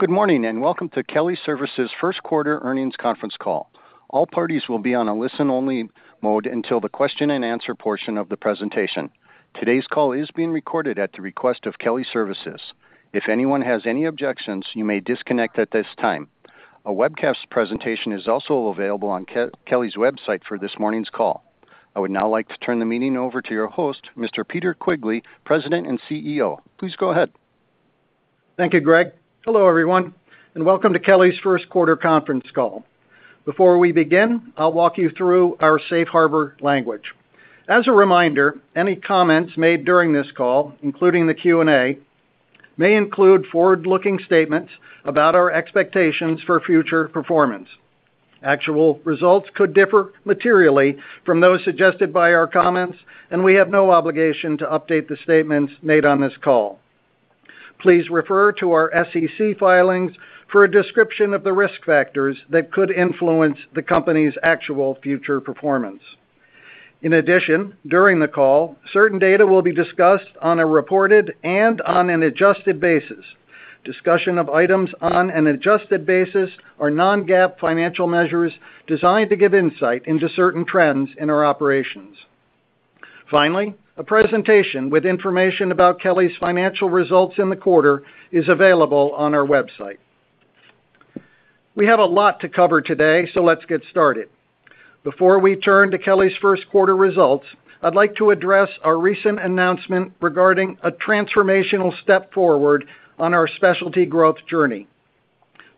Good morning, and welcome to Kelly Services' first quarter earnings conference call. All parties will be on a listen-only mode until the question-and-answer portion of the presentation. Today's call is being recorded at the request of Kelly Services. If anyone has any objections, you may disconnect at this time. A webcast presentation is also available on Kelly's website for this morning's call. I would now like to turn the meeting over to your host, Mr. Peter Quigley, President and CEO. Please go ahead. Thank you, Greg. Hello, everyone, and welcome to Kelly's first quarter conference call. Before we begin, I'll walk you through our safe harbor language. As a reminder, any comments made during this call, including the Q&A, may include forward-looking statements about our expectations for future performance. Actual results could differ materially from those suggested by our comments, and we have no obligation to update the statements made on this call. Please refer to our SEC filings for a description of the risk factors that could influence the company's actual future performance. In addition, during the call, certain data will be discussed on a reported and on an adjusted basis. Discussion of items on an adjusted basis are non-GAAP financial measures designed to give insight into certain trends in our operations. Finally, a presentation with information about Kelly's financial results in the quarter is available on our website. We have a lot to cover today, so let's get started. Before we turn to Kelly's first quarter results, I'd like to address our recent announcement regarding a transformational step forward on our specialty growth journey.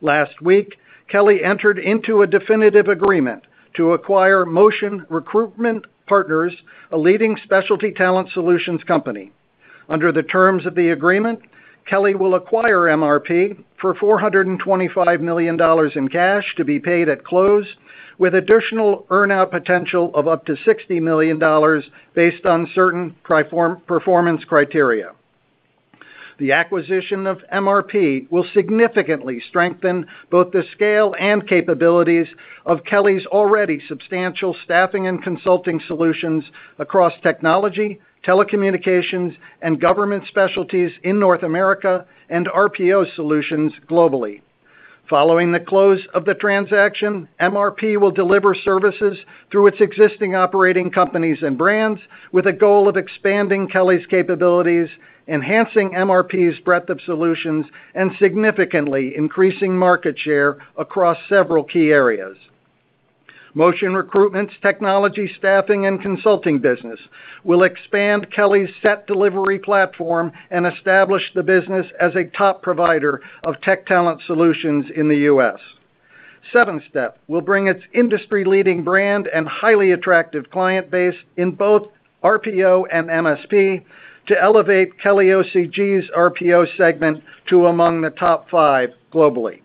Last week, Kelly entered into a definitive agreement to acquire Motion Recruitment Partners, a leading specialty talent solutions company. Under the terms of the agreement, Kelly will acquire MRP for $425 million in cash to be paid at close, with additional earn-out potential of up to $60 million based on certain performance criteria. The acquisition of MRP will significantly strengthen both the scale and capabilities of Kelly's already substantial staffing and consulting solutions across technology, telecommunications, and government specialties in North America and RPO solutions globally. Following the close of the transaction, MRP will deliver services through its existing operating companies and brands, with a goal of expanding Kelly's capabilities, enhancing MRP's breadth of solutions, and significantly increasing market share across several key areas. Motion Recruitment's technology, staffing, and consulting business will expand Kelly SET delivery platform and establish the business as a top provider of tech talent solutions in the US. Sevenstep will bring its industry-leading brand and highly attractive client base in both RPO and MSP to elevate Kelly OCG's RPO segment to among the top five globally.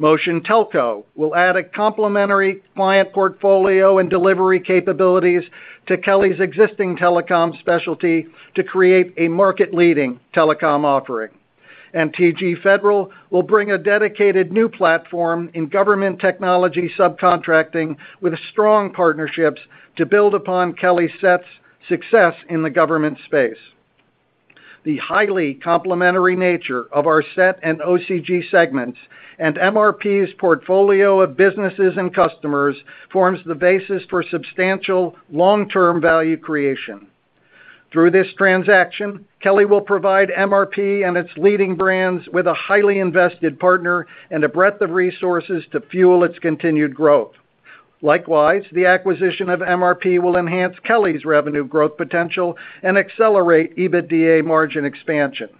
Motion Telco will add a complementary client portfolio and delivery capabilities to Kelly's existing telecom specialty to create a market-leading telecom offering. And TG Federal will bring a dedicated new platform in government technology subcontracting with strong partnerships to build upon Kelly SET's success in the government space. The highly complementary nature of our SET and OCG segments and MRP's portfolio of businesses and customers forms the basis for substantial long-term value creation. Through this transaction, Kelly will provide MRP and its leading brands with a highly invested partner and a breadth of resources to fuel its continued growth. Likewise, the acquisition of MRP will enhance Kelly's revenue growth potential and accelerate EBITDA margin expansion.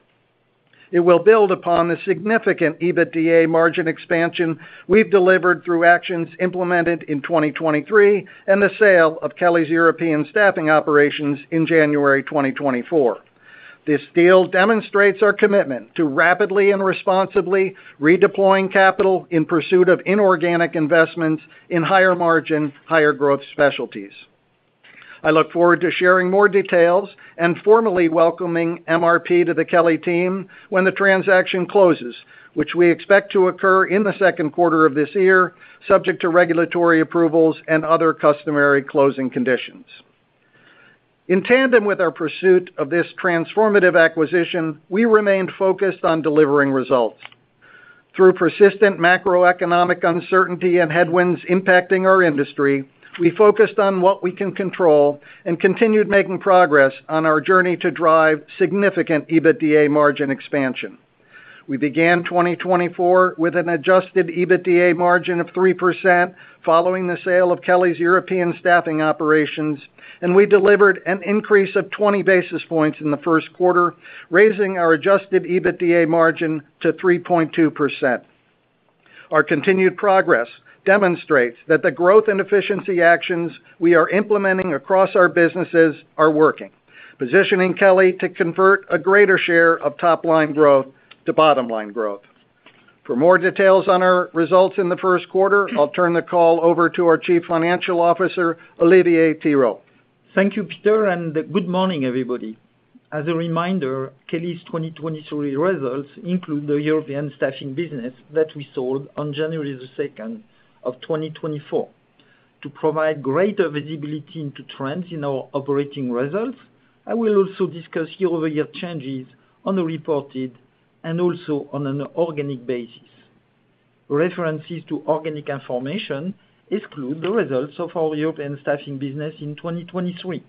It will build upon the significant EBITDA margin expansion we've delivered through actions implemented in 2023 and the sale of Kelly's European staffing operations in January 2024. This deal demonstrates our commitment to rapidly and responsibly redeploying capital in pursuit of inorganic investments in higher margin, higher growth specialties. I look forward to sharing more details and formally welcoming MRP to the Kelly team when the transaction closes, which we expect to occur in the second quarter of this year, subject to regulatory approvals and other customary closing conditions. In tandem with our pursuit of this transformative acquisition, we remained focused on delivering results. Through persistent macroeconomic uncertainty and headwinds impacting our industry, we focused on what we can control and continued making progress on our journey to drive significant EBITDA margin expansion. We began 2024 with an adjusted EBITDA margin of 3%, following the sale of Kelly's European staffing operations, and we delivered an increase of 20 basis points in the first quarter, raising our adjusted EBITDA margin to 3.2%. Our continued progress demonstrates that the growth and efficiency actions we are implementing across our businesses are working, positioning Kelly to convert a greater share of top-line growth to bottom-line growth. For more details on our results in the first quarter, I'll turn the call over to our Chief Financial Officer, Olivier Thirot. Thank you, Peter, and good morning, everybody. As a reminder, Kelly's 2023 results include the European staffing business that we sold on January 2, 2024. To provide greater visibility into trends in our operating results, I will also discuss year-over-year changes on the reported and also on an organic basis. References to organic information exclude the results of our European staffing business in 2023.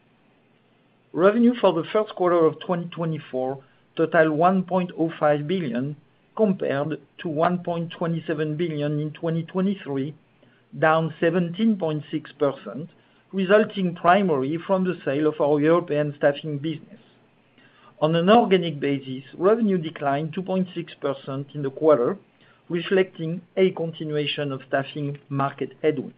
Revenue for the first quarter of 2024 totaled $1.05 billion, compared to $1.27 billion in 2023, down 17.6%, resulting primarily from the sale of our European staffing business. On an organic basis, revenue declined 2.6% in the quarter, reflecting a continuation of staffing market headwinds.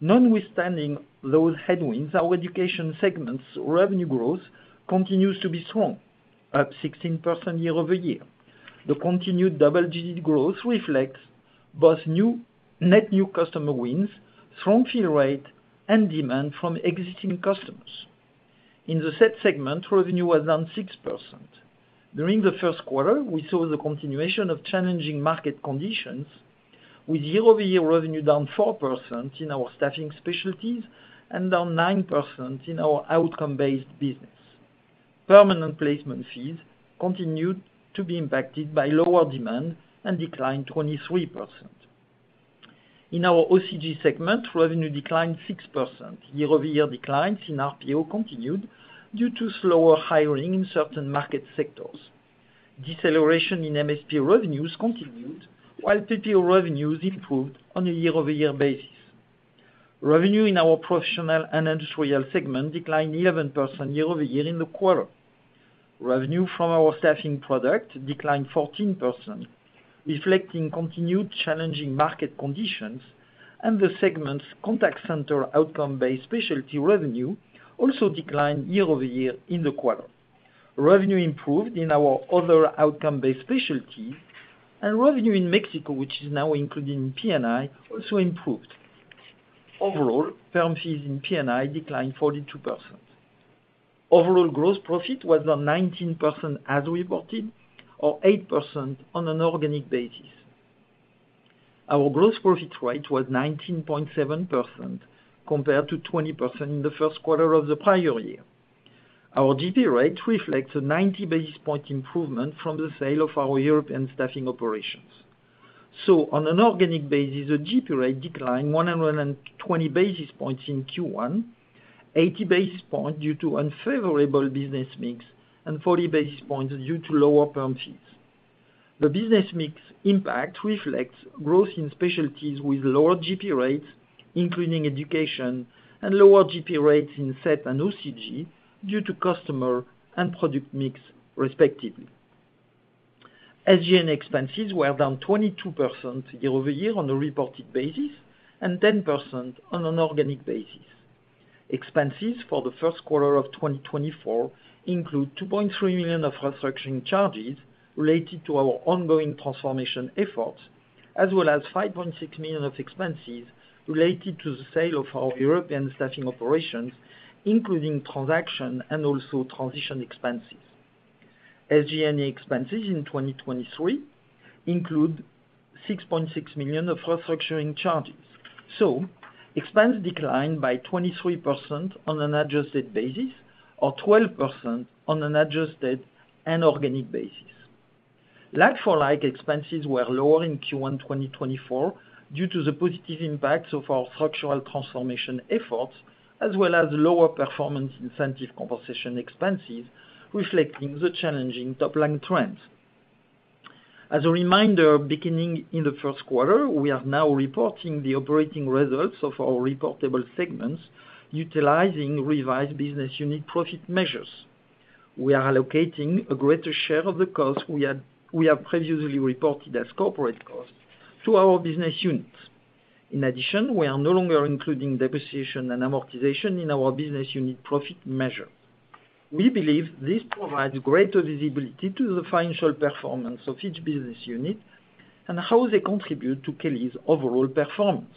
Notwithstanding those headwinds, our education segment's revenue growth continues to be strong, up 16% year over year. The continued double-digit growth reflects both new net new customer wins, strong fill rate, and demand from existing customers. In the SET segment, revenue was down 6%. During the first quarter, we saw the continuation of challenging market conditions, with year-over-year revenue down 4% in our staffing specialties and down 9% in our outcome-based business. Permanent placement fees continued to be impacted by lower demand and declined 23%. In our OCG segment, revenue declined 6%. Year-over-year declines in RPO continued due to slower hiring in certain market sectors. Deceleration in MSP revenues continued, while PPO revenues improved on a year-over-year basis. Revenue in our professional and industrial segment declined 11% year-over-year in the quarter. Revenue from our staffing product declined 14%, reflecting continued challenging market conditions, and the segment's contact center outcome-based specialty revenue also declined year-over-year in the quarter. Revenue improved in our other outcome-based specialties, and revenue in Mexico, which is now included in P&I, also improved. Overall, perm fees in P&I declined 42%. Overall gross profit was down 19% as reported, or 8% on an organic basis. Our gross profit rate was 19.7%, compared to 20% in the first quarter of the prior year. Our GP rate reflects a 90 basis point improvement from the sale of our European staffing operations. So on an organic basis, the GP rate declined 120 basis points in Q1, 80 basis points due to unfavorable business mix, and 40 basis points due to lower perm fees. The business mix impact reflects growth in specialties with lower GP rates, including education and lower GP rates in SET and OCG, due to customer and product mix, respectively. SG&A expenses were down 22% year-over-year on a reported basis and 10% on an organic basis. Expenses for the first quarter of 2024 include $2.3 million of restructuring charges related to our ongoing transformation efforts, as well as $5.6 million of expenses related to the sale of our European staffing operations, including transaction and also transition expenses. SG&A expenses in 2023 include $6.6 million of restructuring charges. So expenses declined by 23% on an adjusted basis, or 12% on an adjusted and organic basis. Like-for-like expenses were lower in Q1 2024 due to the positive impacts of our structural transformation efforts, as well as lower performance incentive compensation expenses, reflecting the challenging top-line trends. As a reminder, beginning in the first quarter, we are now reporting the operating results of our reportable segments utilizing revised business unit profit measures. We are allocating a greater share of the costs we have previously reported as corporate costs to our business units. In addition, we are no longer including depreciation and amortization in our business unit profit measure. We believe this provides greater visibility to the financial performance of each business unit and how they contribute to Kelly's overall performance.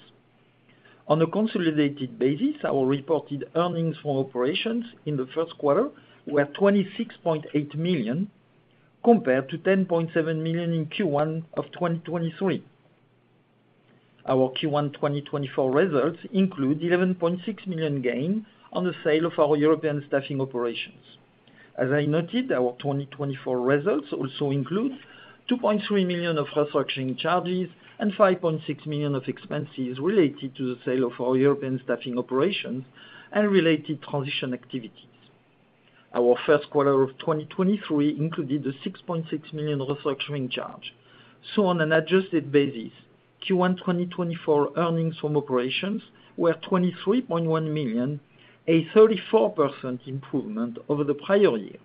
On a consolidated basis, our reported earnings from operations in the first quarter were $26.8 million, compared to $10.7 million in Q1 of 2023. Our Q1 2024 results include $11.6 million gain on the sale of our European staffing operations. As I noted, our 2024 results also include $2.3 million of restructuring charges and $5.6 million of expenses related to the sale of our European staffing operations and related transition activities. Our first quarter of 2023 included a $6.6 million restructuring charge. So on an adjusted basis, Q1 2024 earnings from operations were $23.1 million, a 34% improvement over the prior year.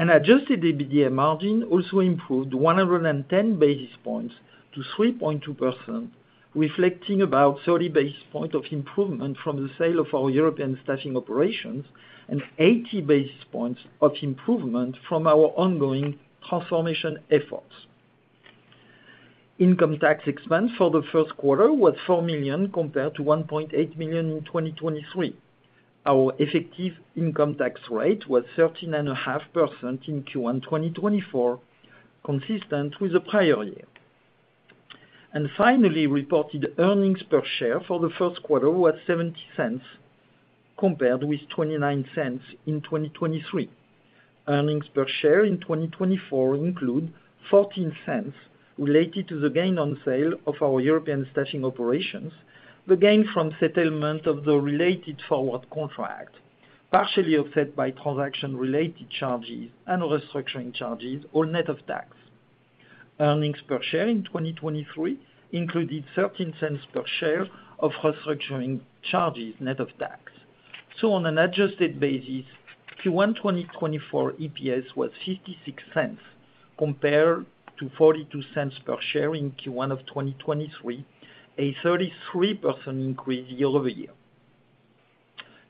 And adjusted EBITDA margin also improved 110 basis points to 3.2%, reflecting about 30 basis points of improvement from the sale of our European staffing operations and 80 basis points of improvement from our ongoing transformation efforts. Income tax expense for the first quarter was $4 million, compared to $1.8 million in 2023. Our effective income tax rate was 13.5% in Q1 2024, consistent with the prior year. And finally, reported earnings per share for the first quarter was $0.70, compared with $0.29 in 2023. Earnings per share in 2024 include $0.14 related to the gain on sale of our European staffing operations, the gain from settlement of the related forward contract, partially offset by transaction-related charges and restructuring charges, all net of tax. Earnings per share in 2023 included $0.13 per share of restructuring charges, net of tax. So on an adjusted basis, Q1 2024 EPS was $0.56, compared to $0.42 per share in Q1 of 2023, a 33% increase year-over-year.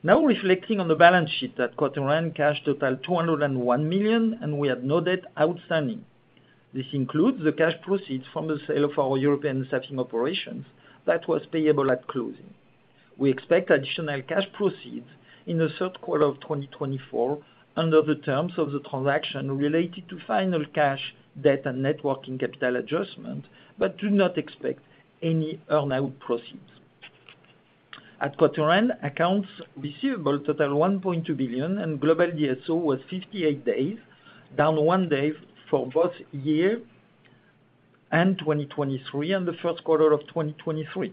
Now reflecting on the balance sheet, at quarter end, cash totaled $201 million, and we had no debt outstanding. This includes the cash proceeds from the sale of our European staffing operations that was payable at closing. We expect additional cash proceeds in the third quarter of 2024 under the terms of the transaction related to final cash, debt, and net working capital adjustment, but do not expect any earn-out proceeds. At quarter end, accounts receivable totaled $1.2 billion, and global DSO was 58 days, down one day from both year-end 2023 and the first quarter of 2023.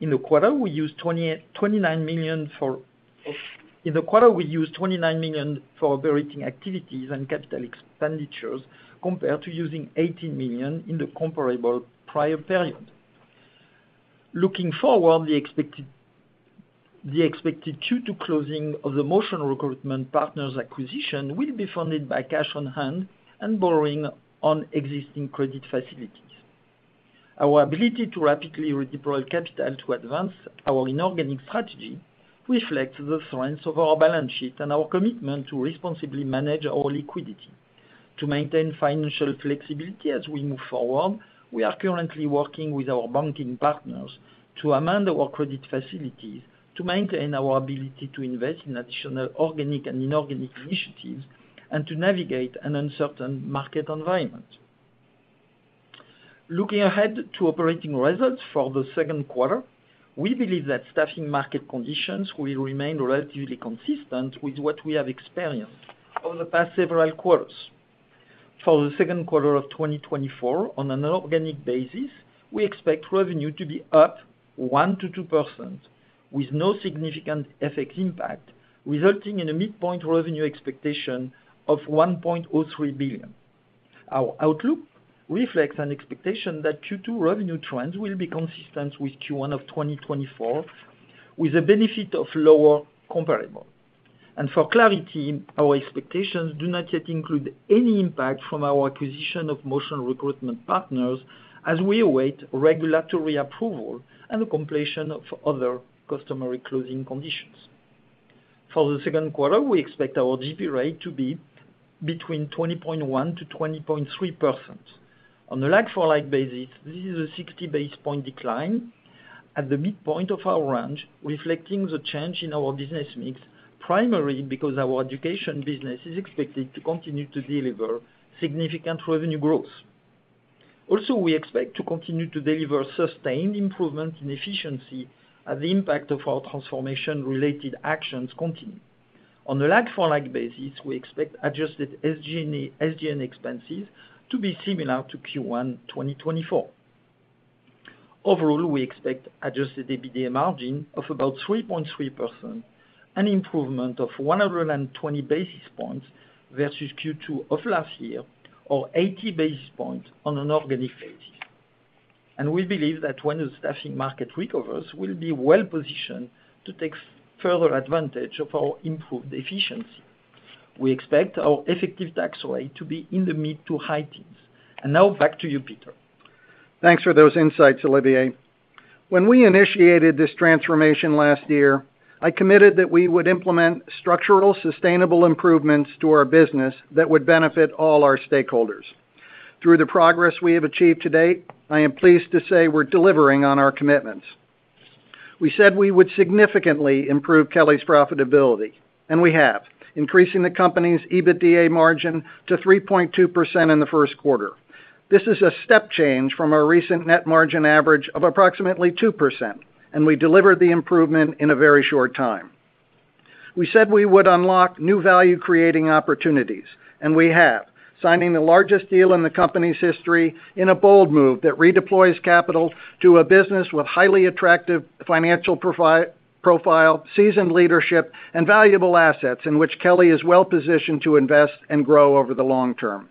In the quarter, we used $29 million for operating activities and capital expenditures, compared to using $18 million in the comparable prior period. Looking forward, the expected Q2 closing of the Motion Recruitment Partners acquisition will be funded by cash on hand and borrowing on existing credit facilities. Our ability to rapidly redeploy capital to advance our inorganic strategy reflects the strength of our balance sheet and our commitment to responsibly manage our liquidity. To maintain financial flexibility as we move forward, we are currently working with our banking partners to amend our credit facilities, to maintain our ability to invest in additional organic and inorganic initiatives, and to navigate an uncertain market environment. Looking ahead to operating results for the second quarter, we believe that staffing market conditions will remain relatively consistent with what we have experienced over the past several quarters. For the second quarter of 2024, on an organic basis, we expect revenue to be up 1%-2%, with no significant FX impact, resulting in a midpoint revenue expectation of $1.03 billion. Our outlook reflects an expectation that Q2 revenue trends will be consistent with Q1 of 2024, with the benefit of lower comparable. And for clarity, our expectations do not yet include any impact from our acquisition of Motion Recruitment Partners, as we await regulatory approval and the completion of other customary closing conditions. For the second quarter, we expect our GP rate to be between 20.1%-20.3%. On a like-for-like basis, this is a 60 basis point decline at the midpoint of our range, reflecting the change in our business mix, primarily because our education business is expected to continue to deliver significant revenue growth. Also, we expect to continue to deliver sustained improvement in efficiency as the impact of our transformation-related actions continue. On a like-for-like basis, we expect adjusted SG&A, SG&A expenses to be similar to Q1 2024. Overall, we expect adjusted EBITDA margin of about 3.3%, an improvement of 120 basis points versus Q2 of last year, or 80 basis points on an organic basis. And we believe that when the staffing market recovers, we'll be well positioned to take further advantage of our improved efficiency. We expect our effective tax rate to be in the mid to high teens. And now back to you, Peter. Thanks for those insights, Olivier. When we initiated this transformation last year, I committed that we would implement structural, sustainable improvements to our business that would benefit all our stakeholders. Through the progress we have achieved to date, I am pleased to say we're delivering on our commitments. We said we would significantly improve Kelly's profitability, and we have, increasing the company's EBITDA margin to 3.2% in the first quarter. This is a step change from our recent net margin average of approximately 2%, and we delivered the improvement in a very short time. We said we would unlock new value-creating opportunities, and we have, signing the largest deal in the company's history in a bold move that redeploys capital to a business with highly attractive financial profile, seasoned leadership, and valuable assets in which Kelly is well positioned to invest and grow over the long term.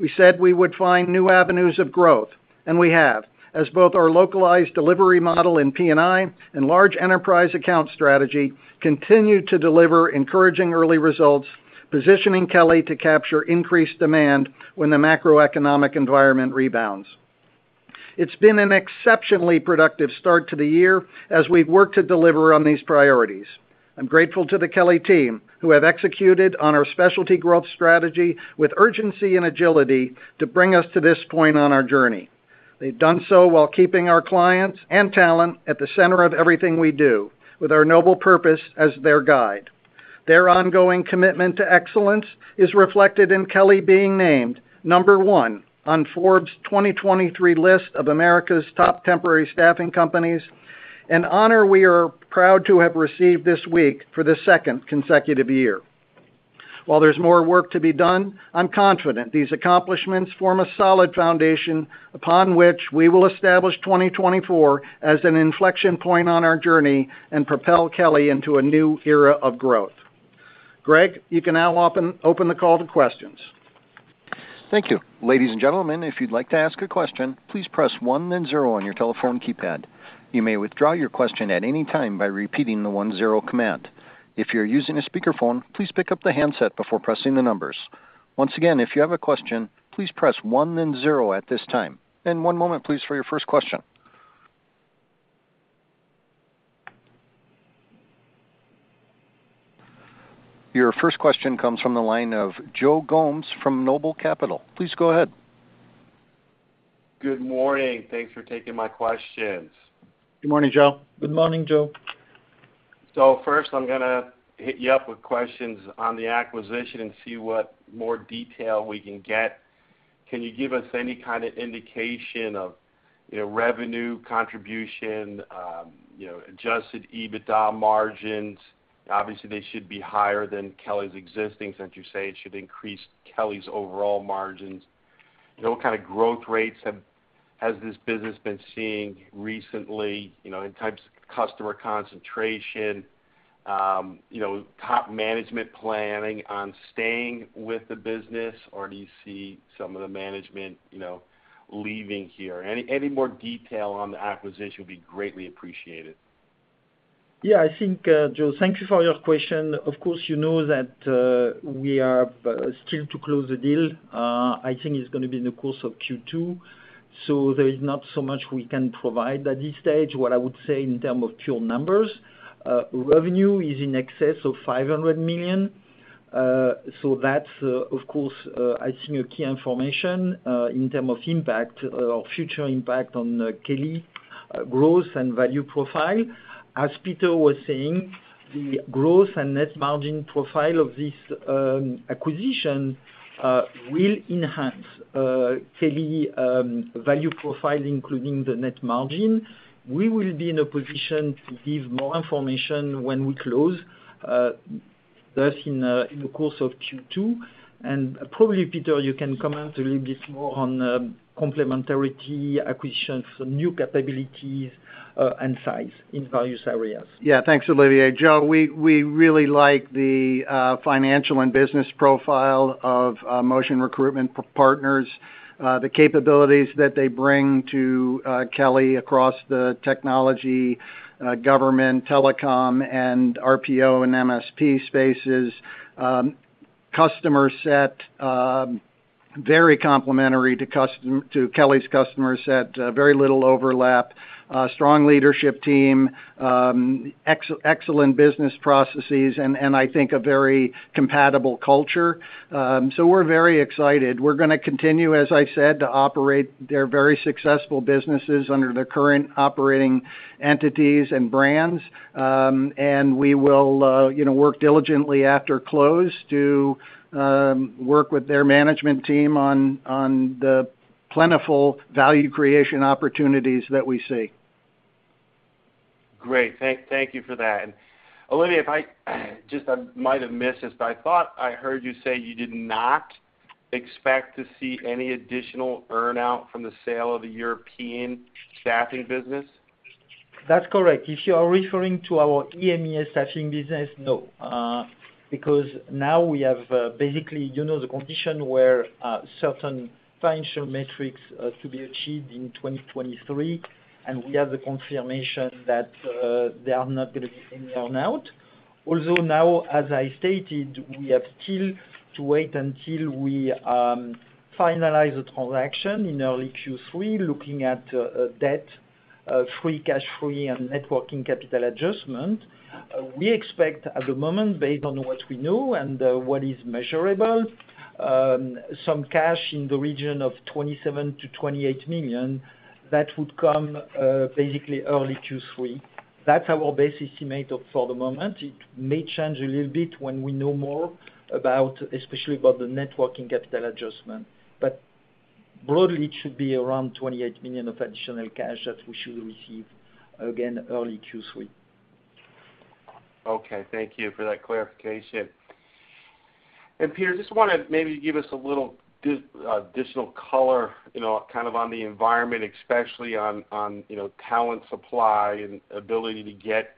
We said we would find new avenues of growth, and we have, as both our localized delivery model in P&I and large enterprise account strategy continue to deliver encouraging early results, positioning Kelly to capture increased demand when the macroeconomic environment rebounds. It's been an exceptionally productive start to the year as we've worked to deliver on these priorities. I'm grateful to the Kelly team, who have executed on our specialty growth strategy with urgency and agility to bring us to this point on our journey.... They've done so while keeping our clients and talent at the center of everything we do, with our noble purpose as their guide. Their ongoing commitment to excellence is reflected in Kelly being named number one on Forbes' 2023 list of America's top temporary staffing companies, an honor we are proud to have received this week for the second consecutive year. While there's more work to be done, I'm confident these accomplishments form a solid foundation upon which we will establish 2024 as an inflection point on our journey and propel Kelly into a new era of growth. Greg, you can now open the call to questions. Thank you. Ladies and gentlemen, if you'd like to ask a question, please press one then zero on your telephone keypad. You may withdraw your question at any time by repeating the one-zero command. If you're using a speakerphone, please pick up the handset before pressing the numbers. Once again, if you have a question, please press one then zero at this time. And one moment, please, for your first question. Your first question comes from the line of Joe Gomes from Noble Capital. Please go ahead. Good morning. Thanks for taking my questions. Good morning, Joe. Good morning, Joe. So first, I'm gonna hit you up with questions on the acquisition and see what more detail we can get. Can you give us any kind of indication of, you know, revenue contribution, you know, adjusted EBITDA margins? Obviously, they should be higher than Kelly's existing. Since you say it should increase Kelly's overall margins. You know, what kind of growth rates has this business been seeing recently, you know, in terms of customer concentration, you know, top management planning on staying with the business, or do you see some of the management, you know, leaving here? Any more detail on the acquisition would be greatly appreciated. Yeah, I think, Joe, thank you for your question. Of course, you know that, we are, still to close the deal. I think it's gonna be in the course of Q2, so there is not so much we can provide at this stage. What I would say in term of pure numbers, revenue is in excess of $500 million. So that's, of course, I think a key information, in term of impact or future impact on, Kelly, growth and value profile. As Peter was saying, the growth and net margin profile of this, acquisition, will enhance, Kelly, value profile, including the net margin. We will be in a position to give more information when we close, thus in, in the course of Q2. Probably, Peter, you can comment a little bit more on complementarity, acquisitions, new capabilities, and size in various areas. Yeah. Thanks, Olivier. Joe, we really like the financial and business profile of Motion Recruitment Partners, the capabilities that they bring to Kelly across the technology, government, telecom, and RPO and MSP spaces. Customer set very complementary to Kelly's customer set, very little overlap, strong leadership team, excellent business processes, and I think a very compatible culture. So we're very excited. We're gonna continue, as I said, to operate their very successful businesses under their current operating entities and brands. And we will, you know, work diligently after close to work with their management team on the plentiful value creation opportunities that we see. Great. Thank, thank you for that. Olivier, if I, just I might have missed this, but I thought I heard you say you did not expect to see any additional earn-out from the sale of the European staffing business? That's correct. If you are referring to our EMEA staffing business, no. Because now we have, basically, you know, the condition where certain financial metrics are to be achieved in 2023, and we have the confirmation that they are not gonna be any earn-out. Although now, as I stated, we have still to wait until we finalize the transaction in early Q3, looking at debt free, cash free, and net working capital adjustment. We expect, at the moment, based on what we know and what is measurable, some cash in the region of $27 million-$28 million, that would come basically early Q3. That's our best estimate for the moment. It may change a little bit when we know more about, especially about the net working capital adjustment. But broadly, it should be around $28 million of additional cash that we should receive, again, early Q3. Okay, thank you for that clarification. And Peter, just wanna maybe give us a little additional color, you know, kind of on the environment, especially on, you know, talent supply and ability to get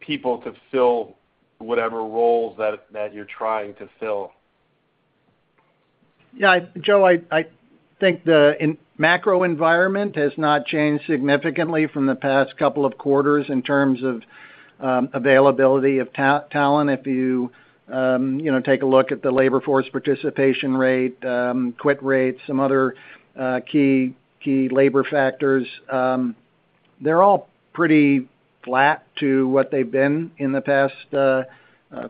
people to fill whatever roles that you're trying to fill. Yeah, Joe, I think the macro environment has not changed significantly from the past couple of quarters in terms of availability of talent. If you, you know, take a look at the labor force participation rate, quit rates, some other key labor factors. They're all pretty flat to what they've been in the past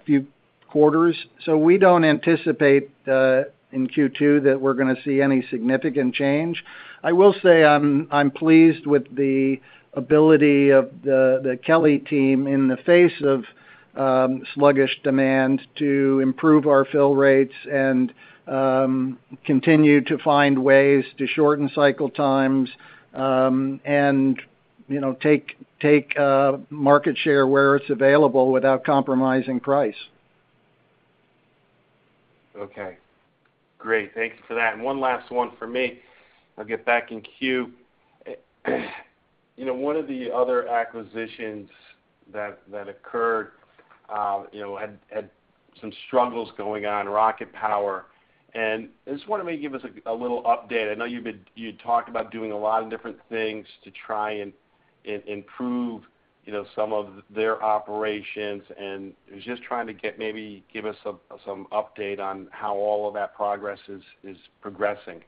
few quarters. So we don't anticipate in Q2 that we're gonna see any significant change. I will say I'm pleased with the ability of the Kelly team in the face of sluggish demand to improve our fill rates and continue to find ways to shorten cycle times, and, you know, take market share where it's available without compromising price. Okay. Great, thank you for that. One last one for me. I'll get back in queue. You know, one of the other acquisitions that, that occurred, you know, had, had some struggles going on, RocketPower. I just wonder if maybe give us a, a little update. I know you've been- you talked about doing a lot of different things to try and, and improve, you know, some of their operations, and I was just trying to get maybe give us some, some update on how all of that progress is, is progressing.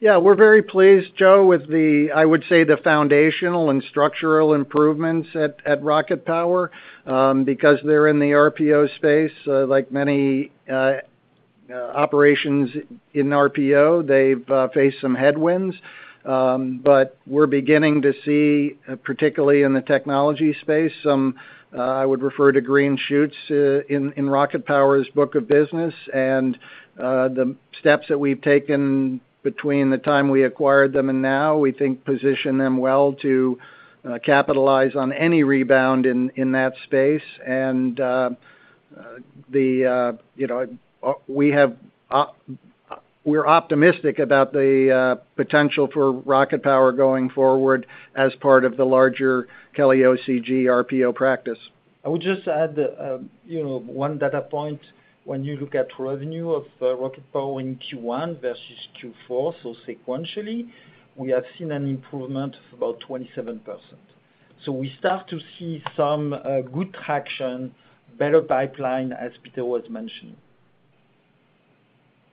Yeah, we're very pleased, Joe, with the, I would say, the foundational and structural improvements at RocketPower. Because they're in the RPO space, like many operations in RPO, they've faced some headwinds. But we're beginning to see, particularly in the technology space, some, I would refer to green shoots, in RocketPower's book of business. And the steps that we've taken between the time we acquired them and now, we think position them well to capitalize on any rebound in that space. And you know, we're optimistic about the potential for RocketPower going forward as part of the larger Kelly OCG RPO practice. I would just add, you know, one data point, when you look at revenue of RocketPower in Q1 versus Q4, so sequentially, we have seen an improvement of about 27%. So we start to see some good traction, better pipeline, as Peter was mentioning.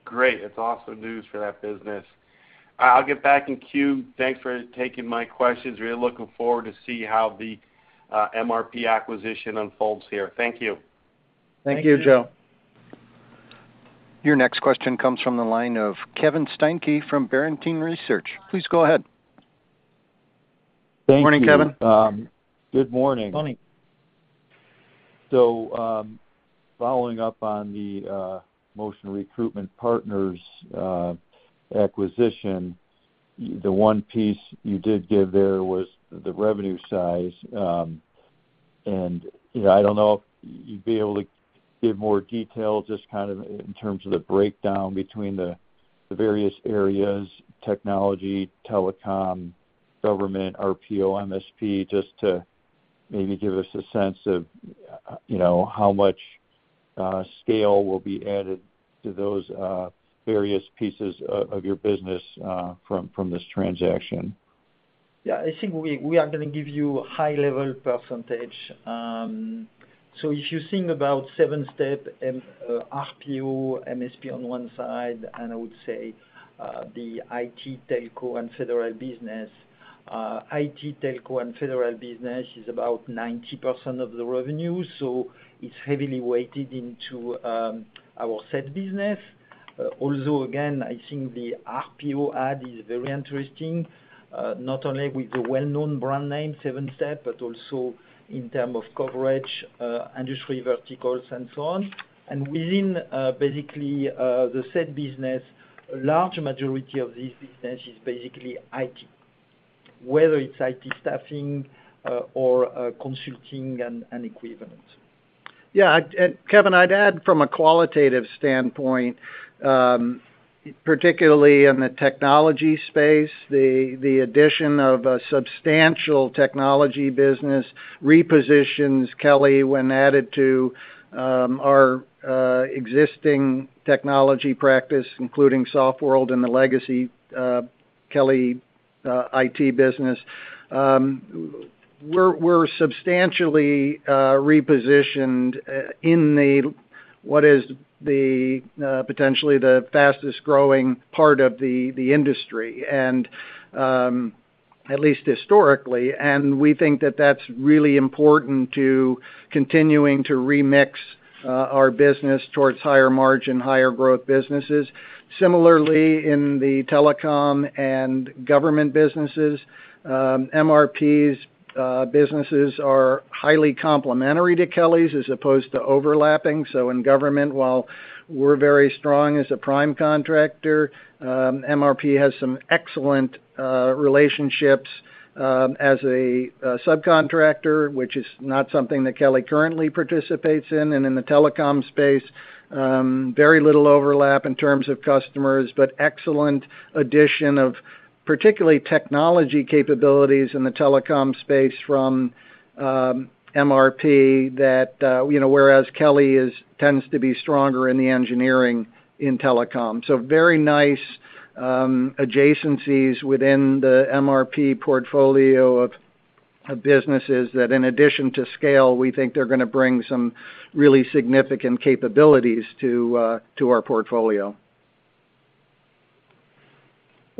Great. That's awesome news for that business. I, I'll get back in queue. Thanks for taking my questions. Really looking forward to see how the MRP acquisition unfolds here. Thank you. Thank you, Joe. Thank you. Your next question comes from the line of Kevin Steinke from Barrington Research. Please go ahead. Thank you. Morning, Kevin. Good morning. Morning. So, following up on the Motion Recruitment Partners acquisition, the one piece you did give there was the revenue size. You know, I don't know if you'd be able to give more detail, just kind of in terms of the breakdown between the various areas, technology, telecom, government, RPO, MSP, just to maybe give us a sense of, you know, how much scale will be added to those various pieces of your business from this transaction. Yeah, I think we are gonna give you a high-level percentage. So if you think about Sevenstep and RPO, MSP on one side, and I would say the IT, telco, and federal business, IT, telco, and federal business is about 90% of the revenue, so it's heavily weighted into our SET business. Although, again, I think the RPO add is very interesting, not only with the well-known brand name, Sevenstep, but also in terms of coverage, industry verticals and so on. And within basically the SET business, a large majority of this business is basically IT, whether it's IT staffing or consulting and equivalent. Yeah, and Kevin, I'd add from a qualitative standpoint, particularly in the technology space, the addition of a substantial technology business repositions Kelly when added to our existing technology practice, including Softworld and the legacy Kelly IT business. We're substantially repositioned in what is potentially the fastest-growing part of the industry, at least historically. And we think that that's really important to continuing to remix our business towards higher margin, higher growth businesses. Similarly, in the telecom and government businesses, MRP's businesses are highly complementary to Kelly's as opposed to overlapping. So in government, while we're very strong as a prime contractor, MRP has some excellent relationships as a subcontractor, which is not something that Kelly currently participates in. And in the telecom space, very little overlap in terms of customers, but excellent addition of particularly technology capabilities in the telecom space from MRP that, you know, whereas Kelly tends to be stronger in the engineering in telecom. So very nice, adjacencies within the MRP portfolio of businesses that in addition to scale, we think they're gonna bring some really significant capabilities to our portfolio....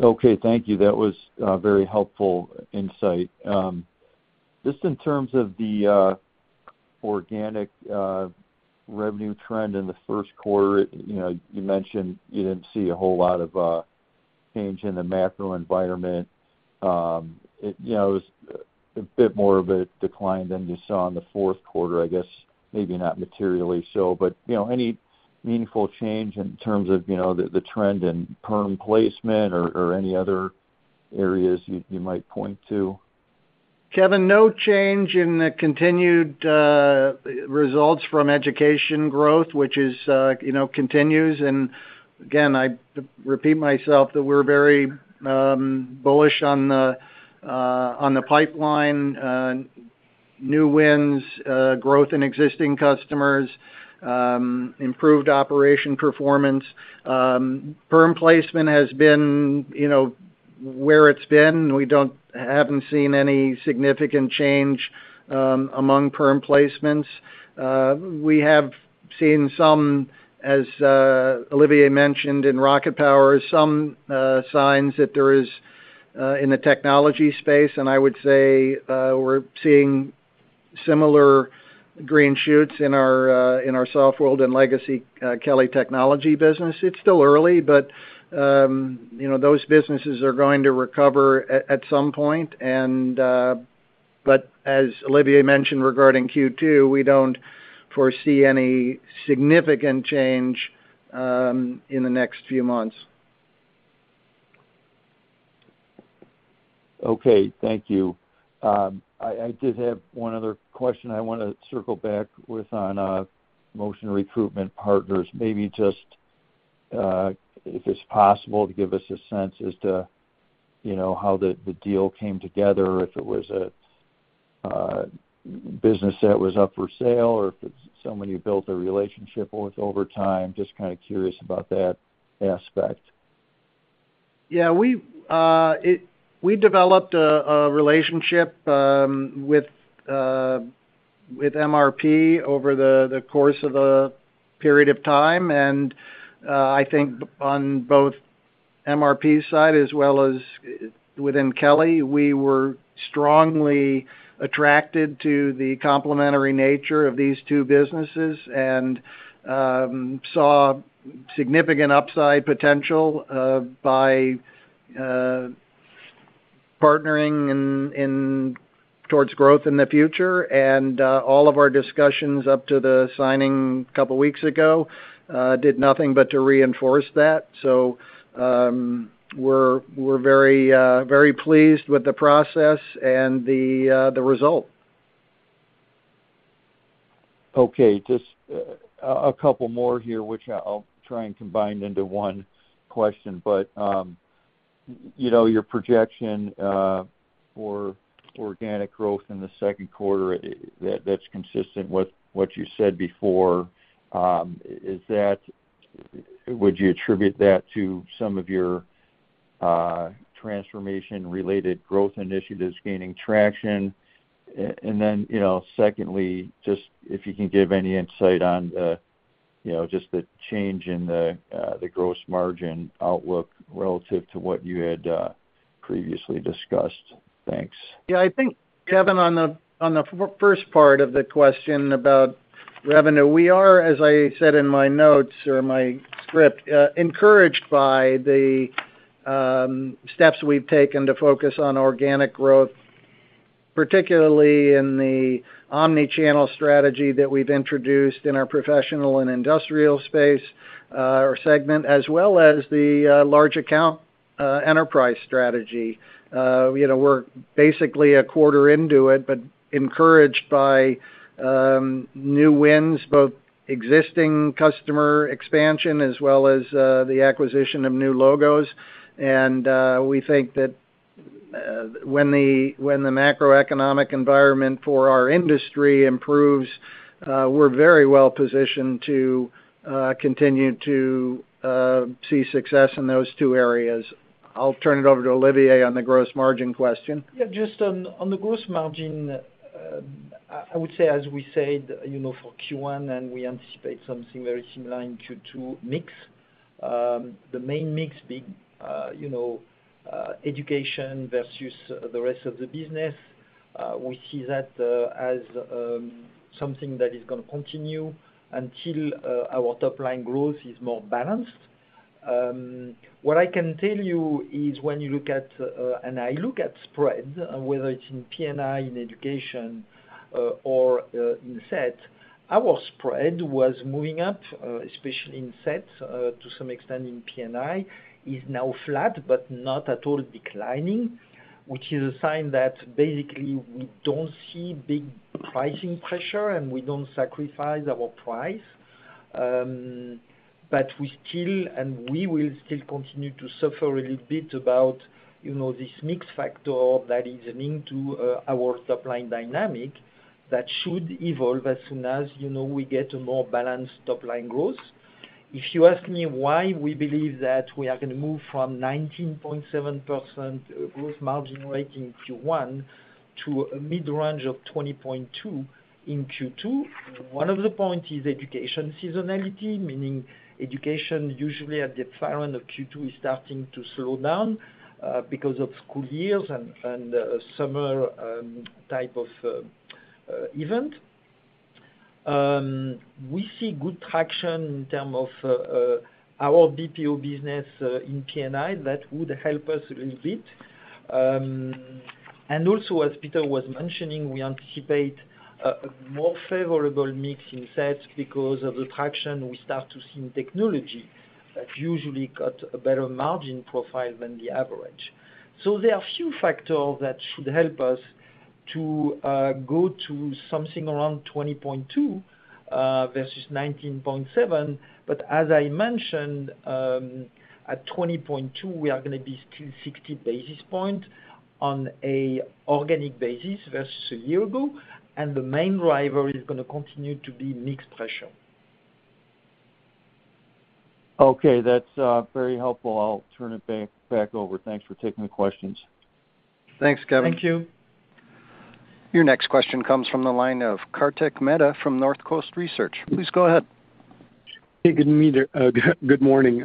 Okay, thank you. That was very helpful insight. Just in terms of the organic revenue trend in the first quarter, you know, you mentioned you didn't see a whole lot of change in the macro environment. It, you know, it was a bit more of a decline than you saw in the fourth quarter, I guess maybe not materially so. But, you know, any meaningful change in terms of, you know, the trend in perm placement or any other areas you might point to? Kevin, no change in the continued results from education growth, which is, you know, continues. And again, I repeat myself that we're very bullish on the pipeline, new wins, growth in existing customers, improved operation performance. Perm placement has been, you know, where it's been. We haven't seen any significant change among perm placements. We have seen some, as Olivier mentioned in RocketPower, some signs that there is in the technology space, and I would say, we're seeing similar green shoots in our Softworld and legacy Kelly technology business. It's still early, but, you know, those businesses are going to recover at some point. And but as Olivier mentioned regarding Q2, we don't foresee any significant change in the next few months. Okay. Thank you. I did have one other question I want to circle back with on Motion Recruitment Partners. Maybe just, if it's possible, to give us a sense as to, you know, how the deal came together, if it was a business that was up for sale or if it's someone you built a relationship with over time. Just kind of curious about that aspect. Yeah, we developed a relationship with MRP over the course of a period of time, and I think on both MRP's side as well as within Kelly, we were strongly attracted to the complementary nature of these two businesses and saw significant upside potential by partnering in towards growth in the future. And all of our discussions up to the signing a couple weeks ago did nothing but to reinforce that. So we're very pleased with the process and the result. Okay. Just, a couple more here, which I'll try and combine into one question. But, you know, your projection for organic growth in the second quarter, that's consistent with what you said before. Is that-- would you attribute that to some of your transformation-related growth initiatives gaining traction? And then, you know, secondly, just if you can give any insight on the, you know, just the change in the, the gross margin outlook relative to what you had, previously discussed. Thanks. Yeah, I think, Kevin, on the first part of the question about revenue, we are, as I said in my notes or my script, encouraged by the steps we've taken to focus on organic growth, particularly in the omni-channel strategy that we've introduced in our professional and industrial space, or segment, as well as the large account enterprise strategy. You know, we're basically a quarter into it, but encouraged by new wins, both existing customer expansion as well as the acquisition of new logos. And we think that when the macroeconomic environment for our industry improves, we're very well positioned to continue to see success in those two areas. I'll turn it over to Olivier on the gross margin question. Yeah, just on the gross margin, I would say, as we said, you know, for Q1, and we anticipate something very similar in Q2, mix. The main mix being, you know, education versus the rest of the business. We see that as something that is gonna continue until our top line growth is more balanced. What I can tell you is when you look at, and I look at spread, whether it's in P&I, in education, or in SET, our spread was moving up, especially in SET, to some extent in P&I, is now flat, but not at all declining, which is a sign that basically we don't see big pricing pressure, and we don't sacrifice our price. But we still, and we will still continue to suffer a little bit about, you know, this mix factor that is linked to, our top-line dynamic that should evolve as soon as, you know, we get a more balanced top-line growth. If you ask me why we believe that we are going to move from 19.7% growth margin rate in Q1 to a mid-range of 20.2 in Q2. One of the point is education seasonality, meaning education usually at the far end of Q2 is starting to slow down, because of school years and summer type of event. We see good traction in terms of our BPO business in P&I. That would help us a little bit. And also, as Peter was mentioning, we anticipate a more favorable mix in SET because of the traction we start to see in technology that usually got a better margin profile than the average. So there are a few factors that should help us to go to something around 20.2% versus 19.7%. But as I mentioned, at 20.2%, we are gonna be still 60 basis points on an organic basis versus a year ago, and the main driver is gonna continue to be mix pressure. Okay. That's very helpful. I'll turn it back over. Thanks for taking the questions. Thanks, Kevin. Thank you. Your next question comes from the line of Kartik Mehta from Northcoast Research. Please go ahead. Hey, good morning there, good morning,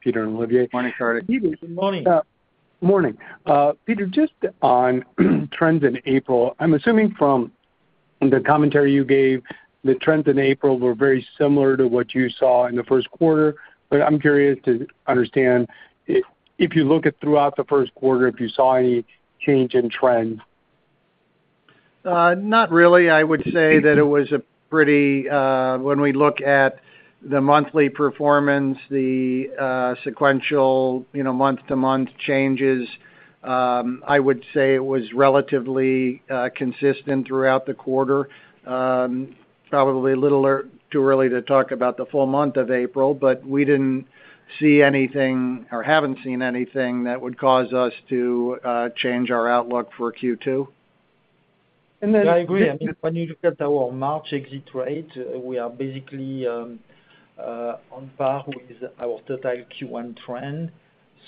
Peter and Olivier. Morning, Kartik. Good morning. Morning. Peter, just on trends in April, I'm assuming from the commentary you gave, the trends in April were very similar to what you saw in the first quarter. But I'm curious to understand, if you look at throughout the first quarter, if you saw any change in trend? Not really. I would say that it was a pretty, when we look at the monthly performance, the sequential, you know, month-to-month changes, I would say it was relatively consistent throughout the quarter. Probably a little too early to talk about the full month of April, but we didn't see anything or haven't seen anything that would cause us to change our outlook for Q2. I agree. I mean, when you look at our March exit rate, we are basically on par with our total Q1 trend.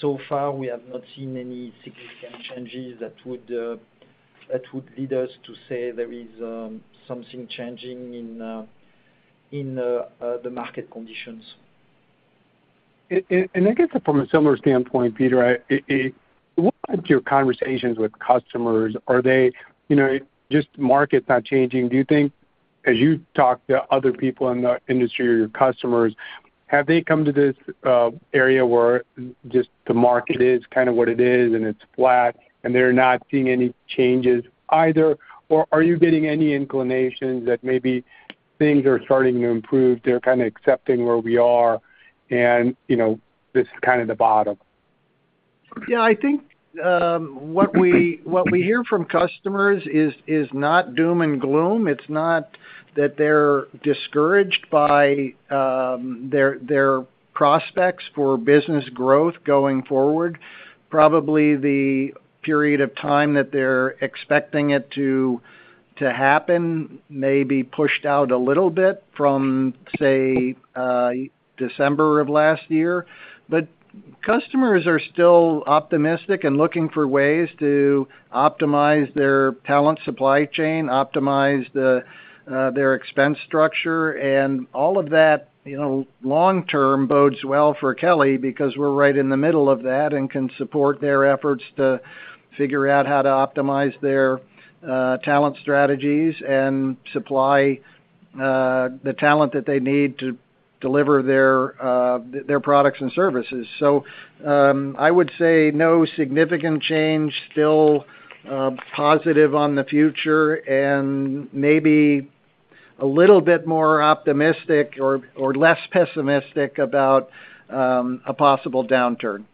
So far, we have not seen any significant changes that would lead us to say there is something changing in the market conditions. I guess from a similar standpoint, Peter, what are your conversations with customers? Are they, you know, just market's not changing. Do you think, as you talk to other people in the industry or your customers, have they come to this area where just the market is kind of what it is, and it's flat, and they're not seeing any changes either? Or are you getting any inclinations that maybe things are starting to improve, they're kind of accepting where we are, and, you know, this is kind of the bottom? Yeah, I think what we hear from customers is not doom and gloom. It's not that they're discouraged by their prospects for business growth going forward. Probably the period of time that they're expecting it to happen may be pushed out a little bit from, say, December of last year. But customers are still optimistic and looking for ways to optimize their talent supply chain, optimize their expense structure. And all of that, you know, long term bodes well for Kelly, because we're right in the middle of that and can support their efforts to figure out how to optimize their talent strategies and supply the talent that they need to deliver their products and services. I would say no significant change, still positive on the future and maybe a little bit more optimistic or less pessimistic about a possible downturn.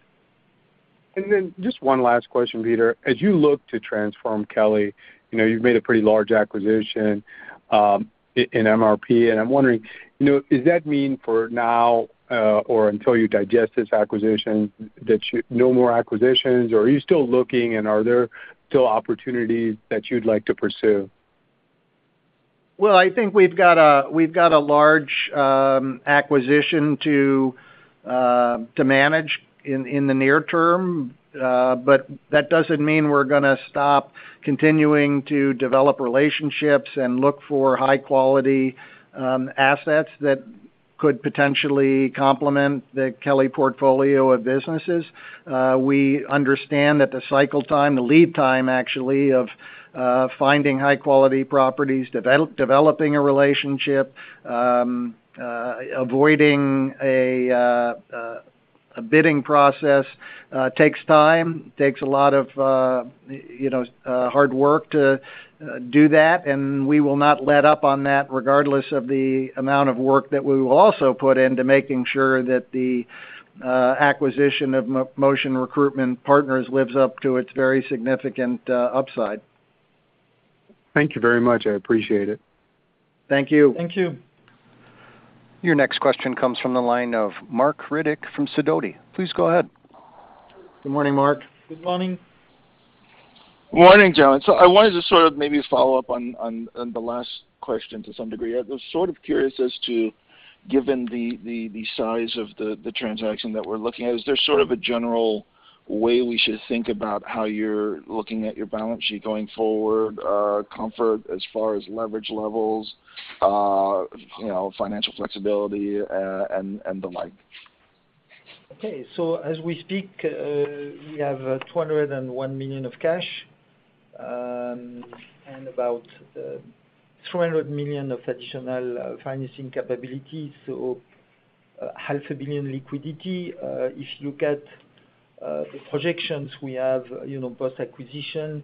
And then just one last question, Peter. As you look to transform Kelly, you know, you've made a pretty large acquisition, in, in MRP, and I'm wondering, you know, does that mean for now, or until you digest this acquisition, that you—no more acquisitions, or are you still looking, and are there still opportunities that you'd like to pursue? Well, I think we've got a, we've got a large, acquisition to, to manage in, in the near term. But that doesn't mean we're gonna stop continuing to develop relationships and look for high-quality, assets that could potentially complement the Kelly portfolio of businesses. We understand that the cycle time, the lead time, actually, of, finding high-quality properties, developing a relationship, avoiding a, a bidding process, takes time. Takes a lot of, you know, hard work to, do that, and we will not let up on that, regardless of the amount of work that we will also put into making sure that the, acquisition of Motion Recruitment Partners lives up to its very significant, upside. Thank you very much. I appreciate it. Thank you. Thank you. Your next question comes from the line of Marc Riddick from Sidoti. Please go ahead. Good morning, Marc. Good morning. Morning, gentlemen. So I wanted to sort of maybe follow up on the last question to some degree. I was sort of curious as to, given the size of the transaction that we're looking at, is there sort of a general- ... way we should think about how you're looking at your balance sheet going forward, comfort as far as leverage levels, you know, financial flexibility, and, and the like? Okay. So as we speak, we have $201 million of cash, and about $300 million of additional financing capability, so $500 million liquidity. If you look at the projections we have, you know, post-acquisition,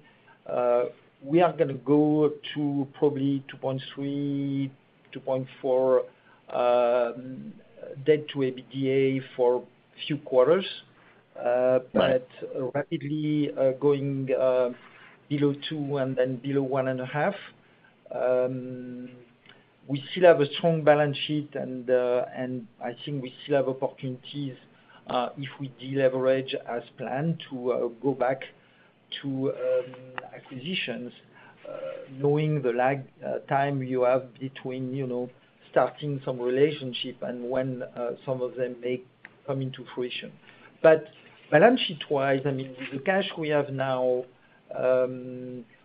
we are gonna go to probably 2.3-2.4 debt to EBITDA for a few quarters. But rapidly, going, below 2 and then below 1.5. We still have a strong balance sheet, and, and I think we still have opportunities, if we deleverage as planned, to, go back to, acquisitions, knowing the lag, time you have between, you know, starting some relationship and when, some of them may come into fruition. But balance sheet-wise, I mean, with the cash we have now,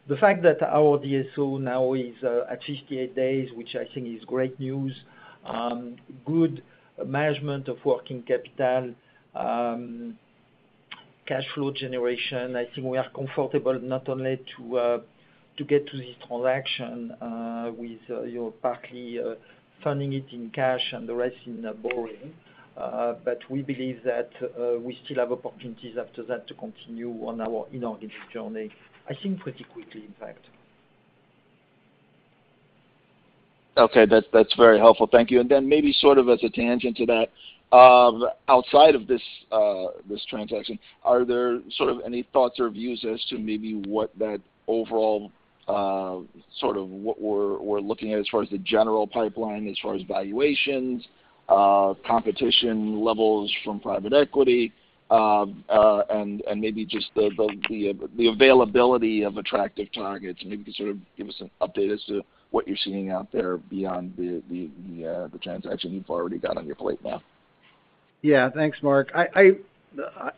the fact that our DSO now is, at 58 days, which I think is great news, good management of working capital, cash flow generation, I think we are comfortable not only to, to get to this transaction, with, you know, partly, funding it in cash and the rest in borrowing. But we believe that we still have opportunities after that to continue on our inorganic journey, I think pretty quickly, in fact. Okay, that's, that's very helpful. Thank you. And then maybe sort of as a tangent to that, outside of this, this transaction, are there sort of any thoughts or views as to maybe what that overall, sort of what we're, we're looking at as far as the general pipeline, as far as valuations, competition levels from private equity, and maybe just the, the availability of attractive targets? Maybe you can sort of give us an update as to what you're seeing out there beyond the transaction you've already got on your plate now. Yeah, thanks, Marc.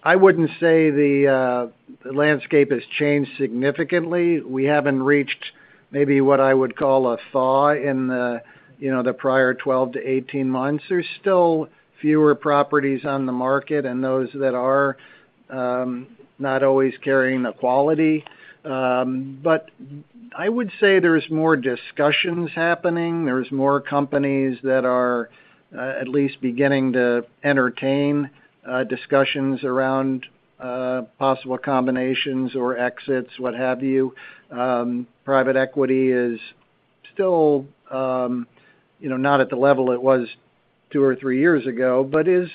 I wouldn't say the landscape has changed significantly. We haven't reached maybe what I would call a thaw in the, you know, the prior 12-18 months. There's still fewer properties on the market, and those that are not always carrying the quality. But I would say there's more discussions happening. There's more companies that are at least beginning to entertain discussions around possible combinations or exits, what have you. Private equity is still, you know, not at the level it was two or three years ago, but is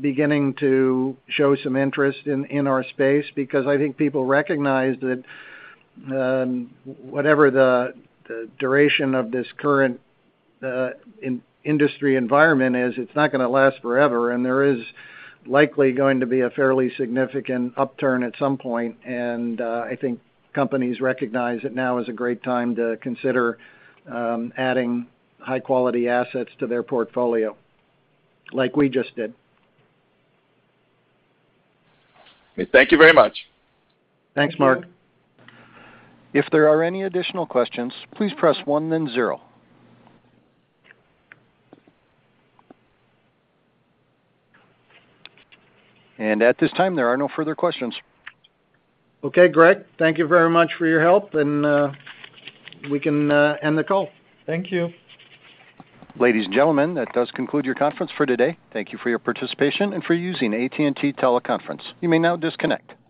beginning to show some interest in our space. Because I think people recognize that, whatever the duration of this current industry environment is, it's not gonna last forever, and there is likely going to be a fairly significant upturn at some point. And I think companies recognize that now is a great time to consider adding high-quality assets to their portfolio, like we just did. Thank you very much. Thanks, Mark. If there are any additional questions, please press one then zero. At this time, there are no further questions. Okay, Greg, thank you very much for your help, and we can end the call. Thank you. Ladies and gentlemen, that does conclude your conference for today. Thank you for your participation and for using AT&T Teleconference. You may now disconnect.